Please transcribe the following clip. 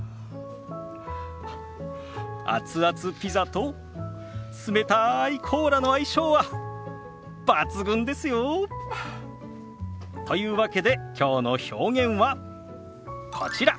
熱々ピザと冷たいコーラの相性は抜群ですよ。というわけできょうの表現はこちら。